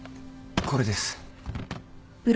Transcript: これです。